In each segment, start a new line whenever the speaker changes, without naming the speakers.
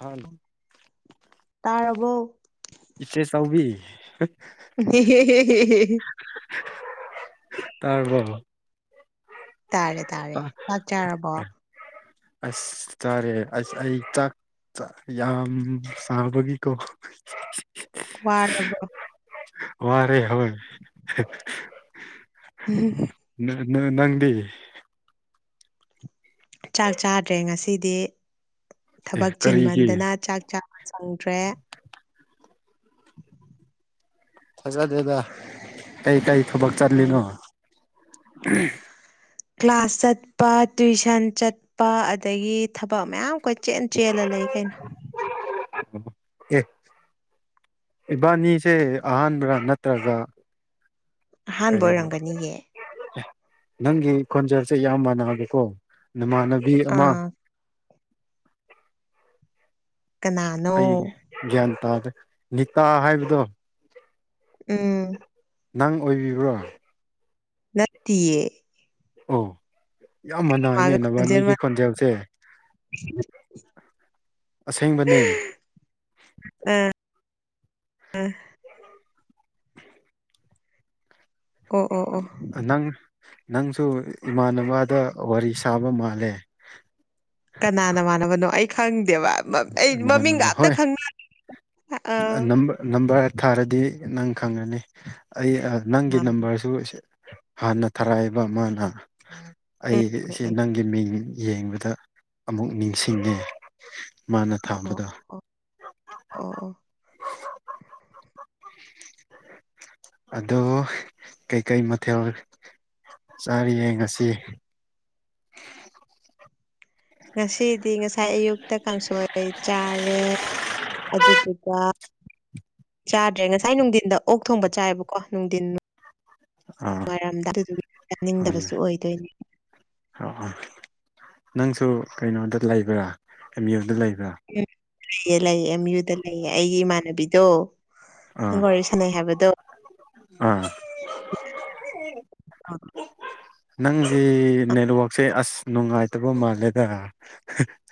Hello!
ꯇꯥꯔꯕꯣ?
ꯏꯆꯦꯆꯧꯕꯤ꯫
[unintelligible]
ꯇꯥꯔꯕꯣ?
ꯇꯥꯔꯦ ꯇꯥꯔꯦ ꯆꯥꯛ ꯆꯥꯔꯕꯣ
ꯑꯁ ꯆꯥꯔꯦ ꯑꯁ ꯑꯩ ꯆꯥꯛ ꯌꯥꯝ ꯆꯥꯕꯒꯤꯀꯣ [unintelligible]
ꯋꯥꯔꯕꯣ?
ꯋꯥꯔꯦ ꯍꯣꯏ꯫
[unintelligible]
ꯅ ꯅ ꯅꯪꯗꯤ?
ꯆꯥꯛ ꯆꯥꯗ꯭ꯔꯦ ꯉꯁꯤꯗꯤ
ꯑꯦ
ꯊꯕꯛ
ꯀꯔꯤꯒꯤ
ꯆꯤꯟꯃꯟꯗꯅ ꯆꯥꯛ ꯆ ꯁꯪꯗ꯭ꯔꯦ꯫
ꯐꯖꯗꯦꯗ ꯀꯩꯀꯩ ꯊꯕꯛ
ꯎꯝ
ꯆꯠꯂꯤꯅꯣ?
ꯀ꯭ꯂꯥꯁ ꯆꯠꯄ ꯇꯨꯏꯁꯟ ꯆꯠ ꯄ ꯑꯗꯒꯤ ꯊꯕꯛ ꯃꯌꯥꯝ ꯀꯣꯏ ꯆꯦꯜ ꯆꯦꯜꯂ ꯂꯩ ꯀꯩꯅꯣ꯫
ꯑꯦ ꯏꯕꯥꯅꯤꯁꯦ ꯑꯍꯥꯟꯕ꯭ꯔꯥ? ꯅꯠꯇ꯭ꯔꯒ
ꯑꯍꯥꯟꯕ
ꯀꯔꯤꯅꯣ꯫
ꯑꯣꯏꯔꯝꯒꯅꯤꯌꯦ
ꯑꯦ ꯅꯪꯒꯤ ꯈꯣꯟꯖꯦꯜꯁꯦ ꯌꯥꯝ ꯃꯥꯟꯅꯕꯀꯣ ꯅꯃꯥꯟꯅꯕꯤ ꯑꯃ,
ꯑꯥ ꯀꯅꯥꯅꯣ
ꯑꯩ ꯒ꯭ꯌꯥꯟ ꯇꯥꯗ꯭ꯔꯦ ꯅꯤꯇꯥ ꯍꯥꯏꯕꯗꯣ꯫
ꯎꯝ
ꯅꯪ ꯑꯣꯏꯕꯤꯔꯣ?
ꯅꯠꯇꯤꯌꯦ꯫
ꯑꯣ ꯌꯥꯝ ꯃꯥꯅꯥꯏꯅꯦ
ꯃꯥꯒ ꯈꯣꯟꯖꯦꯜ
ꯅꯕꯥꯅꯤꯒꯤ
ꯃꯥꯟ
ꯈꯣꯟꯖꯦꯜꯁꯦ꯫ ꯑꯁꯦꯡꯕꯅꯦ꯫
ꯑꯥ [unintelligible] ꯑꯥ꯫ ꯑꯣ ꯑꯣ ꯑꯣ
ꯅꯪ ꯅꯪꯁꯨ ꯏꯃꯥꯟꯅꯕꯗ ꯋꯥꯔꯤ ꯁꯥꯕ ꯃꯥꯜꯂꯦ꯫
ꯀꯅꯥ ꯅꯃꯥꯟ ꯅꯕꯅꯣ ꯑꯩ ꯈꯪꯗꯦꯕ ꯑꯩ ꯃꯃꯤꯡꯒ
ꯏꯃꯥꯟꯅꯕ
ꯑꯝꯇ
ꯍꯣꯏ
ꯈꯪ [unintelligible] ꯑ
ꯅꯝꯕꯔ ꯊꯥꯔꯗꯤ ꯅꯪ ꯈꯪꯉꯅꯤ ꯑꯩ ꯅꯪꯒꯤ
ꯃꯥ-
ꯅꯝꯕꯔꯁꯨ ꯍꯥꯟꯅ ꯊꯔꯥꯏꯕ ꯃꯥꯅ
ꯎꯝ ꯎꯝ
ꯑꯩꯁꯤ
ꯎꯝ
ꯅꯪ ꯒꯤ ꯃꯤꯡ ꯌꯦꯡꯕꯗ ꯑꯃꯨꯛ ꯅꯤꯡꯁꯤꯡꯉꯦ꯫ ꯃꯥꯅ
ꯑꯣ
ꯊꯥꯝꯕꯗ꯫
ꯑꯣ ꯑꯣ ꯑꯣ
ꯑꯗꯣ ꯀꯩꯀꯩ ꯃꯊꯦꯜ, ꯆꯥꯔꯦꯌꯦ ꯉꯁꯤ
ꯉꯁꯤꯗꯤ ꯉꯁꯥꯏ ꯑꯌꯨꯛꯇ ꯀꯥꯡꯁꯣꯏ ꯆꯥꯔꯦ ꯑꯗꯨꯗꯨꯒ ꯆꯥꯗ꯭ꯔꯦ ꯉꯁꯥꯏ ꯅꯨꯡꯗꯤꯟꯗ ꯑꯣꯛ ꯊꯣꯡꯕ ꯆꯥꯏꯑꯦꯕꯀꯣ ꯅꯨꯡꯗꯤꯟ
ꯑꯥ
[unintelligible] ꯑꯗꯨꯗꯨꯒꯤ ꯆꯥꯅꯤꯡꯗꯕꯁꯨ ꯑꯣꯏꯗꯣꯏꯅꯦ
ꯑꯣ ꯅꯪꯁꯨ ꯀꯩꯅꯣꯗ ꯂꯩꯕ꯭ꯔꯥ ꯑꯦꯝ ꯌꯨꯗ ꯂꯩꯕ꯭ꯔꯥ
ꯎꯝ ꯂꯩꯌꯦ ꯂꯩꯌꯦ ꯑꯦꯝ ꯌꯨꯗ ꯂꯩꯌꯦ ꯑꯩꯒꯤ ꯏꯃꯥꯟꯅꯕꯤꯗꯣ
ꯑꯥ
ꯅꯪꯒ ꯋꯥꯔꯤ ꯁꯥꯟꯅꯩ ꯍꯥꯏꯕꯗꯣ
ꯑꯥ ꯅꯪꯒꯤ ꯅꯦꯠꯋꯥꯛꯁꯦ ꯑꯁ ꯅꯨꯡꯉꯥꯏꯇꯕ ꯃꯥꯜꯂꯦꯗ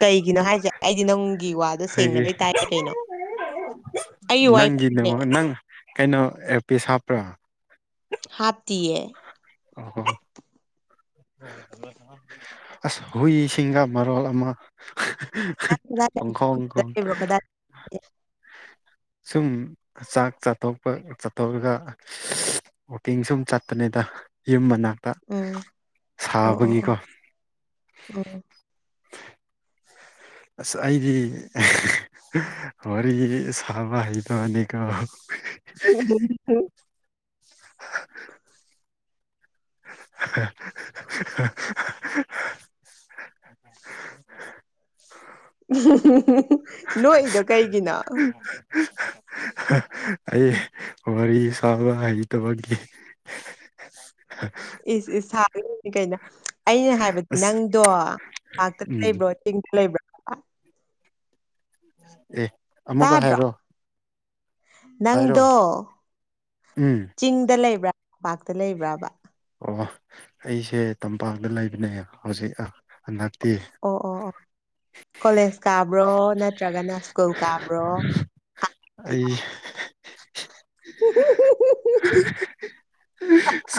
ꯀꯩꯒꯤꯅꯣ ꯍꯥꯏꯁꯦ ꯑꯩꯗꯤ ꯅꯪꯒꯤ ꯋꯥ ꯁꯦꯡꯅ
ꯑꯩꯒꯤ
ꯂꯣꯏ ꯇꯥꯏ ꯀꯩꯅꯣ ꯑꯩꯒꯤ
ꯅꯪꯒꯤ ꯅꯦꯠꯋꯥꯛ
[unintelligible]
ꯅꯪ ꯀꯩꯅꯣ ꯑꯦꯌꯔꯄꯤꯁ ꯍꯥꯞꯄ꯭ꯔꯥ
ꯍꯥꯞꯇꯤꯌꯦ
ꯑꯣ ꯍꯣ ꯑꯁ ꯍꯨꯏꯁꯤꯡꯅ ꯃꯔꯣꯜ ꯑꯃ
ꯅꯪ ꯀꯗꯥꯏ ꯂꯩ?
ꯄꯪꯈꯣꯡ
ꯈꯨꯟꯗ
ꯈꯣꯡ
ꯂꯩꯕ꯭ꯔꯣ ꯀꯗꯥꯏ ꯂꯩꯒꯦ?
ꯁꯨꯝ ꯆꯥꯛ ꯆꯥꯇꯣꯛꯄ ꯆꯥꯇꯣꯛꯔꯒ ꯋꯥꯛꯀꯤꯡ ꯁꯨꯝ ꯆꯠꯄꯅꯤꯗ ꯌꯨꯝ ꯃꯅꯥꯛ
ꯎꯝ ꯑꯣ ꯑꯣ ꯑꯣ ꯎꯝ
ꯑꯁ ꯑꯩꯗꯤ ꯋꯥꯔꯤ ꯁꯥꯕ ꯍꯩꯇꯕꯅꯤꯀꯣ
[unintelligible]
[unintelligible] [unintelligible]
ꯅꯣꯛꯏꯗꯣ ꯀꯩꯒꯤꯅꯣ
[unintelligible] ꯑꯩ ꯋꯥꯔꯤ ꯁꯥꯕ ꯍꯩꯇꯕꯒꯤ
ꯏꯁ ꯏꯁ [unintelligible] ꯀꯩꯅꯣ ꯑꯩꯅ ꯍꯥꯏꯕꯗꯤ
ꯑꯁ
ꯅꯪꯗꯣ ꯄꯥꯛꯇ
ꯎꯝ
ꯂꯩꯕ꯭ꯔꯣ [unintelligible]
ꯑꯦ ꯑꯃꯨꯛꯀ
ꯇꯥꯗ꯭ꯔꯣ
ꯍꯥꯏꯔꯣ ꯍꯥꯏꯔꯣ
ꯅꯪꯗꯣ
ꯎꯝ
ꯆꯤꯡꯗ ꯂꯩꯕ꯭ꯔꯥ ꯇꯝꯄꯥꯛꯇ ꯂꯩꯕ꯭ꯔꯥꯕ
ꯑꯣ ꯑꯩꯁꯦ ꯇꯝꯄꯥꯛꯇ ꯂꯩꯕꯅꯦ ꯍꯧꯖꯤꯛ ꯍꯟꯗꯛꯇꯤ
ꯑꯣ ꯑꯣ ꯑꯣ ꯀꯣꯂꯦꯖ ꯀꯥꯕ꯭ꯔꯣ ꯅꯠꯇ꯭ꯔꯒꯅ ꯁ꯭ꯀꯨꯜ ꯀꯥꯕ꯭ꯔꯣ
ꯑꯩ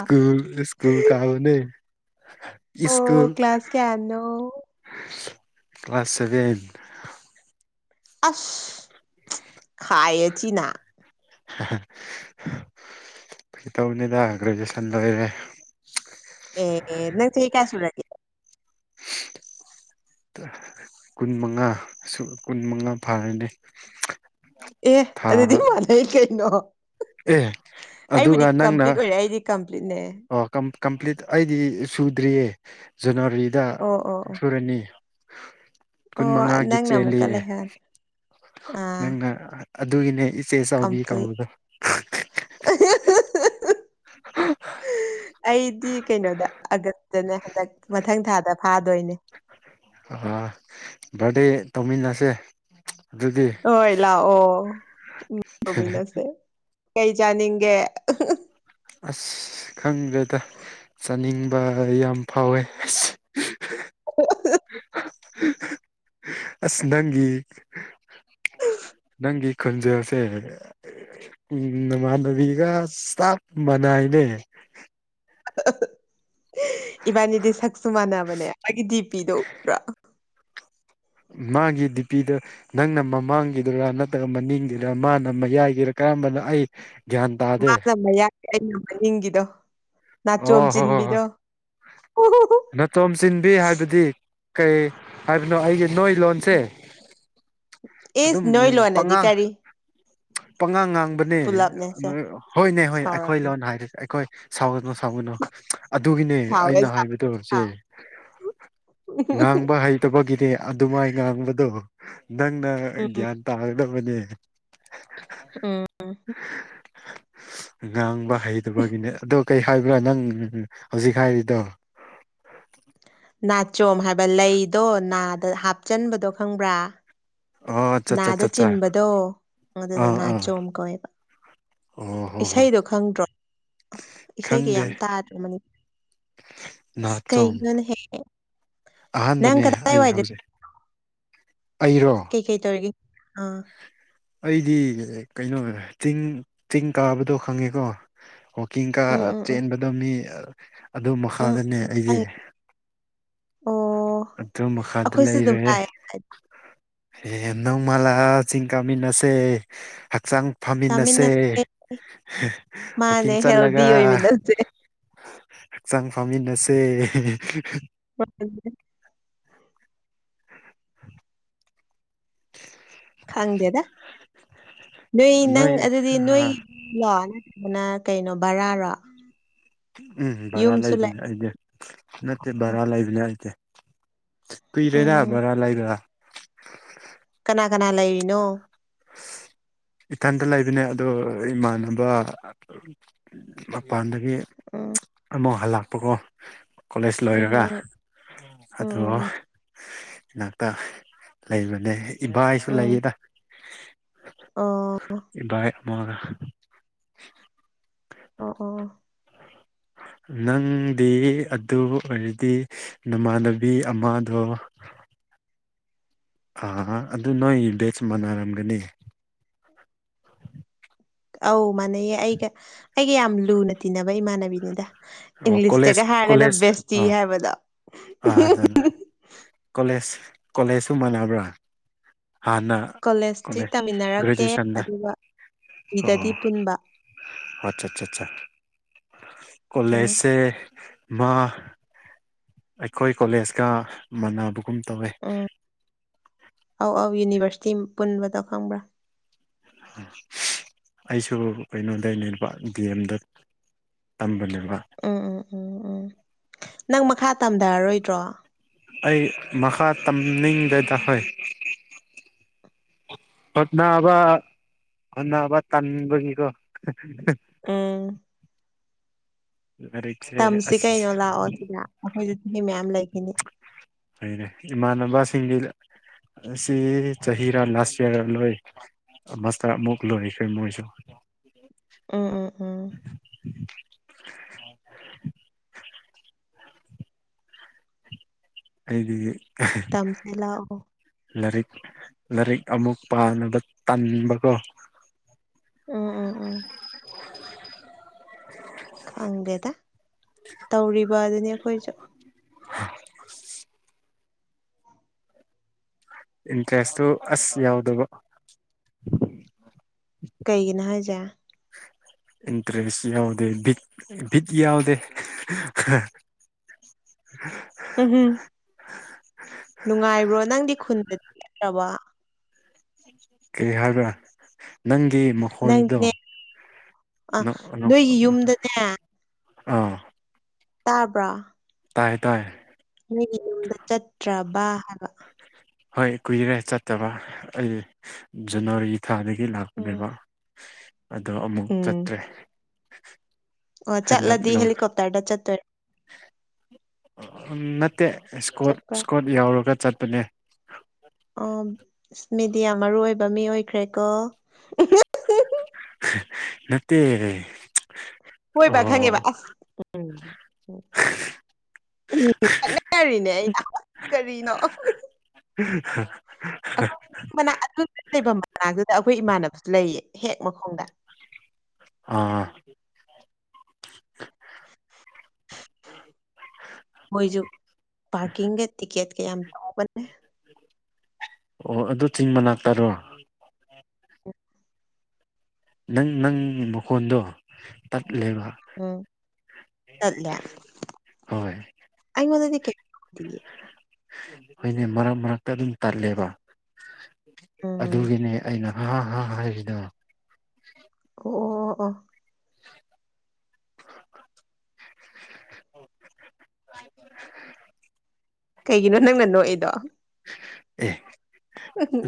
ꯑ-
ꯏꯁ꯭ꯀꯨꯜ ꯀꯥꯕꯅꯦ ꯁ꯭ꯀꯨꯜ
ꯑꯣ ꯀ꯭ꯂꯥꯁ ꯀꯌꯥꯅꯣ
ꯀ꯭ꯂꯥꯁ ꯁꯚꯦꯟ
ꯑꯁ ꯈꯥꯏꯌꯦ ꯊꯤꯅ
ꯐꯥꯒꯤ ꯇꯧꯅꯤꯗ ꯒ꯭ꯔꯦꯖꯨꯑꯦꯁꯟ ꯂꯣꯏꯔꯦ
ꯑꯦ ꯑꯦ ꯅꯪ ꯆꯍꯤ ꯀꯌꯥ ꯁꯨꯔꯒꯦ
ꯀꯨꯟ ꯃꯉꯥ ꯁꯨ ꯀꯨꯟ ꯃꯉꯥ ꯐꯥꯔꯅꯤ
ꯑꯦ
ꯊꯥ
ꯑꯗꯨꯗꯤ ꯃꯥꯟꯅꯩ ꯀꯩꯅꯣ
ꯑꯦ
ꯑꯩꯕꯨꯗꯤ
ꯑꯗꯨꯒ ꯅꯪꯅ
ꯀꯝꯄ꯭ꯂꯤꯠ ꯑꯣꯏꯔꯦ ꯑꯩꯗꯤ ꯀꯝꯄ꯭ꯂꯤꯠꯅꯦ
ꯑꯣ ꯀꯝ ꯀꯝꯄ꯭ꯂꯤꯠ ꯑꯩꯗꯤ ꯁꯨꯗ꯭ꯔꯤꯌꯦ ꯖꯟꯋꯥꯔꯤꯗ
ꯑꯣ ꯑꯣ ꯑꯣ
ꯁꯨꯔꯅꯤ ꯀꯨꯟ
ꯑꯣ
ꯃꯉꯥꯒꯤ
ꯅꯪꯅ ꯑꯃꯨꯛꯀ
ꯆꯦꯜꯂꯤꯑꯦ
ꯂꯩꯍꯟ ꯑꯥ
ꯅꯪꯅ ꯑꯗꯨꯒꯤꯅꯦ ꯏꯆꯦ ꯆꯥꯎꯕꯤ
ꯀꯝꯄ꯭ꯂꯤꯠ
ꯀꯧꯕꯗꯣ
[unintelligible]
[inaudible]
ꯑꯩꯗꯤ ꯀꯩꯅꯣꯗ ꯑꯥꯒꯁꯇꯅꯦ ꯍꯟꯗꯛ ꯃꯊꯪ ꯊꯥꯗ ꯐꯥꯗꯣꯏꯅꯦ
[inaudible] ꯑꯥ ꯕꯥꯔꯗꯦ ꯇꯧꯃꯤꯟꯅꯁꯦ ꯑꯗꯨꯗꯤ
ꯍꯣꯏ ꯂꯥꯛꯑꯣ ꯇꯧꯃꯤꯟꯅꯁꯦ ꯀꯩ ꯆꯥꯅꯤꯡꯒꯦ [unintelligible]
ꯑꯁ ꯈꯪꯗ꯭ꯔꯦꯗ ꯆꯥꯅꯤꯡꯕ ꯌꯥꯝ ꯐꯥꯎꯋꯦ ꯑꯁ
[unintelligible]
ꯑꯁ ꯅꯪꯒꯤ ꯅꯪꯒꯤ ꯈꫭꯟꯖꯦꯜꯁꯦ ꯎꯝ ꯅꯃꯥꯟꯅꯕꯤꯒ ꯆꯞ ꯃꯅꯥꯏꯅꯦ
[unintelligible] ꯏꯕꯥꯟꯅꯤꯗꯤ ꯁꯛꯁꯨ ꯃꯥꯟꯅꯕꯅꯦ ꯃꯥꯒꯤ ꯗꯤ ꯄꯤꯗꫭ ꯎꯗ꯭ꯔꫭ
ꯃꯥꯒꯤ ꯗꯤꯄꯤꯗꫭ ꯅꯪꯅ ꯃꯃꯥꯡꯒꯤꯗꯨꯔ ꯅꯠꯇ꯭ꯔꯒ ꯃꯅꯤꯡꯒꯤꯔ ꯃꯥꯅ ꯃꯌꯥꯏꯒꯤꯔ ꯀꯔꯝꯕꯅꯣ ꯑꯩ ꯒ꯭ꯌꯥꯟ ꯇꯥꯗꯦ
ꯃꯥꯅ ꯃꯌꯥꯏ ꯑꯩꯅ ꯃꯅꯤꯡꯒꯤꯗꯣ ꯅꯥꯆꯣꯝ
ꯑꯣ
ꯆꯤꯟꯕꯤꯗꯣ ꯎꯍꯨꯍꯨ
ꯅꯥꯆꯣꯝ ꯆꯤꯟꯕꯤ ꯍꯥꯏꯕꯗꯤ ꯀꯩ ꯍꯥꯏꯕꯅꯣ ꯑꯩꯒꯤ ꯅꯣꯏ ꯂꯣꯟꯁꯦ
ꯏꯁ
ꯑꯗꯨꯝ
ꯅꯣꯏ ꯂꯣꯟꯅꯗꯤ
ꯄꯉꯥꯡ
ꯀꯔꯤ
ꯄꯉꯥꯡ ꯉꯥꯡꯕꯅꯦ
ꯄꯨꯂꯞꯅꯦꯁꯦ
ꯍꯣꯏꯅꯦ ꯍꯣꯏ ꯑꯩꯈꯣꯏ
ꯁꯥꯎꯔꯛꯀꯅꯤ
ꯂꯣꯟ [unintelligible] ꯁꯥꯎꯒꯅꯣ ꯁꯥꯎꯒꯅꯣ ꯑꯗꯨꯒꯤꯅꯦ
ꯁꯥꯎꯋꯦ
ꯑꯩꯅ ꯍꯥꯏꯕ
ꯁꯥꯎꯋꯦ
ꯆꯦ
ꯁꯥꯎ
ꯉꯥꯡꯕ ꯍꯩꯇꯕꯒꯤꯅꯤ ꯑꯗꯨꯝꯃꯥꯏ ꯉꯥꯡꯕꯗꯨ ꯅꯪꯅ
ꯎꯝ
ꯒ꯭ꯌꯥꯟ ꯇꯥꯒꯗꯕꯅꯦ
ꯎꯝ
ꯉꯥꯡꯕ ꯍꯩꯇꯕꯒꯤꯅꯦ ꯑꯗꯣ ꯀꯩ ꯍꯥꯏꯕ꯭ꯔ ꯅꯪ ꯍꯧꯖꯤꯛ ꯍꯥꯏꯔꯤꯗꯣ
ꯅꯥꯆꯣꯝ ꯍꯥꯏꯕ ꯂꯩꯗꯣ ꯅꯥꯗ ꯍꯥꯞꯆꯟꯕꯗꯣ ꯈꯪꯕ꯭ꯔ
ꯑꯣ ꯆꯠ ꯆꯠ
ꯅꯥꯗ
ꯆꯠ ꯆꯥ
ꯆꯤꯟꯕꯗꯣ ꯑꯗꯨꯗꯣ
ꯑꯥ ꯑꯥ
ꯅꯥꯆꯣꯝ ꯀꯧꯋꯦꯕ
ꯑꯣ ꯍꯣ ꯍꯣꯏ
ꯏꯁꯩꯗꯣ ꯈꯪꯗ꯭ꯔꯣ ꯏꯁꯩꯒ
ꯈꯪꯗꯦ
ꯌꯥꯝ ꯇꯥꯗ꯭ꯔꫭ ꯃꯅꯤ ꯑꯁ
ꯅꯥꯆꯣꯝ
ꯀꯩꯒꯤꯅꯣꯅꯦꯍꯦ ꯅꯪ
ꯑꯍꯥꯟꯕꯅꯦ ꯑꯩ
ꯀꯗꯥꯏꯋꯥꯏꯗ
ꯍꯧꯖꯤꯛ ꯑꯩꯔꯣ
ꯀꯩ ꯀꯩ ꯇꯧꯔꯤꯒꯦ ꯑ
ꯑꯩꯗꯤ ꯀꯩꯅꯣ ꯆꯤꯡ ꯆꯤꯡ ꯀꯥꯕꯗꯣ ꯈꯪꯉꯤꯀꯣ ꯋꯥꯀꯤꯡ ꯀ
ꯎꯝ ꯎꯝ ꯎꯝ
ꯆꯦꯟꯕꯗꯣ ꯃꯤ ꯑꯗꯨ
ꯎꯝ
ꯃꯈꯥꯗꯅꯦ
ꯎꯝ
ꯑꯩꯗꯤ
ꯈꯪꯉꯦ ꯑꯣ
ꯑꯗꯨ ꯃꯈꯥꯗ
ꯑꯩꯈꯣꯏꯁꯨ ꯑꯗꯨꯝ
ꯂꯩꯔꯦ
ꯂꯥꯛꯑꯦ ꯍꯥꯏꯗꯤ
[unintelligible] ꯅꫭꯡꯃ ꯂꯥꯛꯑ ꯆꯤꯡ ꯀꯥꯃꯤꯟꯅꯁꯦ ꯍꯛꯆꯥꯡ ꯐꯃꯤꯟꯅꯁꯦ
ꯀꯥꯃꯤꯟꯅꯁꯦ
[unintelligible]
ꯃꯥꯅꯦ
ꯋꯥꯀꯤꯡ
ꯍꯦꯜꯗꯤ
ꯆꯠꯂꯒ
ꯑꯣꯏꯃꯤꯟꯅꯁꯦ
ꯍꯛꯆꯥꯡ ꯐꯃꯤꯟꯅꯁꯦ [unintelligible]
[inaudible] ꯈꯪꯗꯦꯗ ꯅꯣꯏ ꯅꯪ ꯑꯗꯨꯗꯤ ꯅꯣꯏ ꯂꯣ ꯅꯠꯇ꯭ꯔꯒꯅ ꯀꯩꯅꯣ ꯕꯔꯥꯔꯣ
ꯎꯝ ꯕꯔꯥ
ꯌꯨꯝꯁꯨ
ꯂꯩꯕꯅꯦ
ꯂꯩ
ꯑꯩꯗꯤ ꯅꯠꯇꯦ
ꯑꯣ
ꯕꯔꯥ ꯂꯩꯕ ꯅꯠꯇꯦ ꯀꯨꯏꯔꯦꯗ
ꯎꯝ
ꯕꯔꯥ ꯂꯩꯔꯒ
ꯀꯅꯥ ꯀꯅꯥ ꯂꯩꯔꯤꯅꯣ
ꯏꯊꯟꯇ ꯂꯩꯕꯅꯦ ꯑꯗꯣ ꯏꯃꯥꯟꯅꯕ ꯃꯄꯥꯟꯗꯒꯤ
ꯎꯝ
ꯑꯃꯨꯛ ꯍꯜꯂꯛꯄꯀꯣ ꯀꯣꯂꯦꯖ ꯂꯣꯏꯔꯒ
ꯎꯝ ꯎꯝ
ꯑꯗꯣ
ꯎꯝ ꯎꯝ
ꯅꯥꯛꯇ ꯂꯩꯕꯅꯦ ꯏꯕꯥꯏꯁꯨ
ꯎꯝ ꯎꯝ
ꯂꯩꯑꯦꯗ
ꯑꯣ
ꯏꯕꯥꯏ ꯑꯃꯒ
ꯑꯣ ꯑꯣ
ꯅꯪꯗꯤ ꯑꯗꯨ ꯑꯣꯏꯔꯗꯤ ꯅꯃꯥꯟꯅꯕꯤ ꯑꯃꯗꯣ ꯑ ꯑꯗꯨ ꯅꯣꯏ ꯕꯦꯆ ꯃꯥꯟꯅꯔꯝꯒꯅꯤ
ꯑꯧ ꯃꯥꯟꯅꯩꯌꯦ ꯑꯩꯒ ꯑꯩꯒ ꯌꯥꯝ ꯂꯨꯅ ꯇꯤꯟꯅꯕ ꯏꯃꯥꯟꯅꯕꯤꯅꯤꯗ
ꯑꯣ ꯀꯣꯂꯦꯖ
ꯏꯪꯂꯤꯁꯇꯒ ꯍꯥꯏꯔꯒꯅ
ꯀꯣꯂꯦꯖ
ꯕꯦꯁꯇꯤ
ꯑꯥ
ꯍꯥꯏꯕꯗꯣ
ꯑꯥ ꯑꯗꯨꯅꯦ ꯀꯣꯂꯦꯖ ꯀꯣꯂꯦꯖꯁꯨ ꯃꯥꯟꯅꯕ꯭ꯔꯥ ꯍꯥꯟꯅ
ꯀꯣꯂꯦꯖꯇꯤ
ꯀꯣꯂꯦꯖ
ꯇꯝꯃꯤꯟꯅꯔꯛꯇꯦ
ꯒ꯭ꯔꯦꯖꯨꯑꯦꯁꯟꯗ
ꯑꯗꯨꯒ ꯕꯤꯗꯗꯤ ꯄꯨꯟꯕ
ꯑꯆꯥꯆꯥꯆꯥ
ꯎꯝ
ꯀꯣꯂꯦꯁꯁꯦ ꯃꯥ ꯑꯩꯈꯣꯏ ꯀꯣꯂꯦꯖꯀ ꯃꯥꯟꯅꯕꯒꯨꯝ ꯇꯧꯋꯦ
ꯎꯝ ꯑꯧ ꯑꯧ ꯌꯨꯅꯤꯚꯔꯁꯤꯇꯤ ꯄꯨꯟꯕꯗꯣ ꯈꯪꯕ꯭ꯔꯥ
ꯑꯩꯁꯨ ꯀꯩꯅꯣꯗꯩꯅꯦꯕ ꯗꯤ ꯑꯦꯝꯗ ꯇꯝꯕꯅꯦꯕ
ꯎꯝ ꯎꯝ ꯎꯝ ꯎꯝ ꯅꯪ ꯃꯈꯥ ꯇꯝꯗꯔꯔꯣꯏꯗ꯭ꯔꯣ
ꯑꯩ ꯃꯈꯥ ꯇꯝꯅꯤꯡꯗꯦꯗ ꯍꯣꯏ ꯍꯣꯠꯅꯕ ꯍꯣꯠꯅꯕ ꯇꯟꯕꯒꯤꯀꯣ
ꯎꯝ
ꯑꯔꯦ
ꯇꯝꯁꯤ ꯀꯩꯅꯣ ꯂꯥꯛꯑꯣ ꯁꯤꯗ ꯑꯩꯈꯣꯏꯁꯨ ꯆꯍꯤ ꯃꯌꯥꯝ ꯂꯩꯈꯤꯅꯤ
ꯐꯩꯅꯦ ꯏꯃꯥꯟꯅꯕꯁꯤꯡꯗꯤ ꯑꯩꯁꯤ ꯆꯍꯤꯔꯥ ꯂꯥꯁ ꯌꯥꯔꯔꯥ ꯂꯣꯏ ꯃꯥꯁꯇꯔ ꯑꯃꯨꯛ ꯂꯣꯏꯈ꯭ꯔꯦ ꯃꯣꯏꯁꯨ
ꯎꯝ ꯎꯝ ꯎꯝ
ꯑꯩꯗꯤ
ꯇꯝꯁꯤ ꯂꯥꯛꯑꯣ
ꯂꯥꯏꯔꯤꯛ ꯂꯥꯏꯔꯤꯛ ꯑꯃꯨꯛ ꯄꯥꯅꯕ ꯇꯟꯕꯀꯣ
ꯎꯝ ꯎꯝ ꯎꯝ ꯈꯪꯗꯦꯗ ꯇꯧꯔꯤꯕ ꯑꯗꯨꯅꯤ ꯑꯩꯈꯣꯏꯁꯨ
[unintelligible] ꯏꯟꯇꯔꯦꯁꯇꯨ ꯑꯁ ꯌꯎꯗꯕ
ꯀꯩꯒꯤꯅꯣ ꯍꯥꯏꯁꯦ
ꯏꯟꯇꯔꯦꯁ ꯌꯥꯎꯗꯦ ꯕꯤꯠ ꯕꯤꯠ ꯌꯥꯎꯗꯦ
ꯎꯝꯍꯨꯝ ꯅꯨꯡꯉꯥꯏꯕ꯭ꯔꯣ ꯅꯪꯗꯤ ꯈꯨꯟꯗꯗꯤ ꯆꯠꯇ꯭ꯔꯕꯣ
ꯀꯩ ꯍꯥꯏꯕ꯭ꯔꯥ ꯅꯪꯒꯤ ꯃ ꯈꯣꯟꯗꯣ
ꯅꯪꯗꯤꯅꯦ ꯑ
ꯅꯈꯣꯟ
ꯅꯣꯏꯒꯤ
ꯅꯈꯣꯟ
ꯌꯨꯝꯗꯅꯦ
ꯑꯥ
ꯇꯥꯕ꯭ꯔꯥ
ꯇꯥꯏꯌꯦ ꯇꯥꯏ
ꯅꯣꯏꯒꯤ ꯌꯨꯝꯗ ꯆꯠꯇ꯭ꯔꯕꯥ ꯍꯥꯏꯕ
ꯍꯣꯏ ꯀꯨꯏꯔꯦ ꯆꯠꯇꯕ ꯑꯩ ꯖꯅꯋꯥꯔꯤ ꯊꯥꯗꯒꯤ
ꯎꯝ
ꯂꯥꯛꯄꯅꯦꯕ ꯑꯗꯣ ꯑꯃꯨꯛ
ꯎꯝ
ꯆꯠꯇ꯭ꯔꯦ
ꯑꯣ
ꯍꯟꯗꯛ
ꯆꯠꯂꯗꯤ ꯍꯦꯂꯤꯀꯣꯞꯇꯔꯗ ꯆꯠꯇꯣꯏꯔ
ꯅꯠꯇꯦ ꯏꯁꯀꯣꯔꯠ
ꯆꯠꯄ꯭ꯔꯥ
ꯏꯁꯀꯣꯔꯠ ꯌꯧꯔꯒ ꯆꯠꯄꯅꯦ
ꯑꯣ ꯃꯤꯗꯤ ꯌꯥꯝ ꯃꯔꯨ ꯑꯣꯏꯕ ꯃꯤ ꯑꯣꯏꯈ꯭ꯔꯦꯀꯣ [unintelligible]
ꯅꯠꯇꯦ
ꯍꯣꯏꯕ ꯈꯪꯉꯦꯕ ꯑꯁ ꯎꯝ
ꯍꯍꯍ
ꯎꯝ ꯂꯛꯅꯔꯤꯅꯦ ꯑꯩꯅ ꯀꯔꯤꯅꯣ
[unintelligible]
ꯑꯩꯈꯣꯏ ꯂꯩꯐꯝ ꯃꯅꯥꯛꯇꯨꯗ ꯑꯩꯈꯣꯏ ꯏꯃꯥꯟꯅꯕꯁꯨ ꯂꯩꯌꯦ ꯍꯦꯛ ꯃꯈꯣꯡꯗ
ꯑꯥ [unintelligible]
ꯃꯣꯏꯖꯨ ꯄꯥꯔꯀꯤꯡꯒ ꯇꯤꯀꯦꯠꯀ ꯌꯥꯝ ꯇꯧꯕꯅꯦ
ꯑꯣ ꯑꯗꯨ ꯆꯤꯡ ꯃꯅꯥꯛꯇꯔꯣ
ꯎ
ꯅꯪ ꯅꯪꯒꯤ ꯃꯈꯣꯟꯗꯣ ꯇꯠꯂꯦꯕ
ꯎꯝ ꯇꯠꯂꯦ
ꯍꯣꯏ
ꯑꯩꯉꯣꯟꯗꯗꯤ ꯀꯦꯝ ꯇꯣꯗꯤꯌꯦ
ꯍꯣꯏꯅꯦ ꯃꯔꯛ ꯃꯔꯛꯇ ꯑꯗꯨꯝ ꯇꯜꯂꯦꯕ
ꯎꯝ
ꯑꯗꯨꯒꯤꯅꯦ ꯑꯩꯅ ꯍꯥ ꯍꯥ ꯍꯥꯏ ꯔꯤꯗꯣ
ꯑꯣ ꯑꯣ ꯑꯣ ꯀꯩꯒꯤꯅꯣ ꯅꯪꯅ ꯅꯣꯛꯏꯗꯣ
ꯑꯦ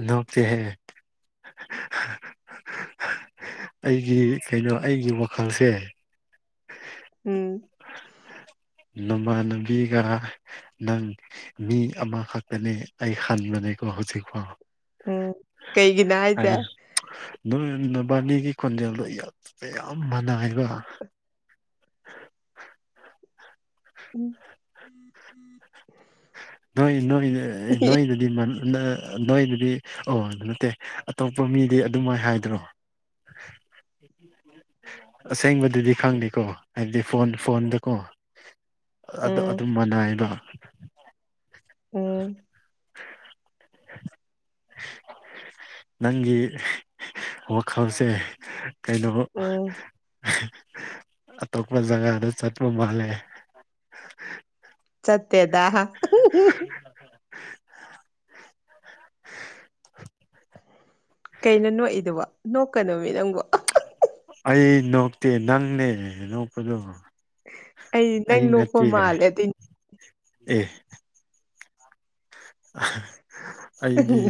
ꯅꯣꯛꯇꯦ ꯍꯦ ꯑꯩꯒꯤ ꯀꯩꯅꯣ ꯑꯩꯒꯤ ꯋꯥꯈꯜꯁꯦ
ꯎꯝ
ꯅꯨꯄꯥ ꯅꯨꯄꯤꯒ ꯅꯪ ꯃꯤ ꯑꯃꯈꯛꯇꯅꯦ ꯑꯩ ꯍꯟꯕꯅꯦꯀꯣ ꯍꯧꯖꯤꯛꯐꯥꯎ
ꯎꯝ ꯀꯩꯒꯤꯅꯣ ꯍꯥꯏꯖꯦ
ꯅꯣꯏ ꯃꯕꯥꯅꯤꯒꯤ ꯈꯣꯟꯖꯦꯜꯗꯣ ꯌꯥꯝ ꯌꯥꯝ ꯃꯅꯩꯍꯥꯏꯕ
ꯎꯝ
ꯅꯣꯏ ꯅꯣꯏ ꯅꯣꯏ ꯗꯗꯤ ꯃꯅ ꯅꯥ ꯅꯣꯏꯗꯨꯗꯤ ꯑꯣ ꯅꯠꯇꯦ ꯑꯇꯣꯞꯄ ꯃꯤꯗꯤ ꯑꯗꯨꯃꯥꯏ ꯍꯥꯏꯗ꯭ꯔꯣ [inaudible] ꯑꯁꯦꯡꯕꯗꯗꯤ ꯈꯪꯗꯦꯀꯣ ꯍꯥꯏꯕꯗꯤ ꯐꯣꯟ ꯐꯣꯟꯗꯀꯣ ꯑꯗ
ꯎꯝ
ꯑꯗꯨꯝ ꯃꯥꯅꯥꯏꯕ [inaudible] ꯅꯪꯒꯤ ꯋꯥꯈꯜꯁꯦ ꯀꯩꯅꯣ
ꯎꯝ
ꯑꯇꯣꯞꯄ ꯖꯒꯥꯗ ꯆꯠꯄ ꯃꯥꯜꯂꯦ
ꯆꯠꯇꯦꯗ ꯀꯩꯅꯣ ꯅꯣꯛꯏꯗꯨꯕꯣ ꯅꯣꯛꯀꯅꯣꯃꯦ ꯅꯪꯕꯨ
ꯑꯩ ꯅꯣꯛꯇꯦ ꯅꯪꯅꯦ ꯅꯣꯛꯄꯗꯣ
ꯑꯩꯗꯤ ꯅꯪ
ꯑꯩ
ꯅꯣꯛꯄ
ꯅꯠꯇꯦ
ꯃꯥꯜꯂꯦ ꯑꯗꯨꯢ
ꯑꯦ ꯑꯍ ꯑꯩꯗꯤ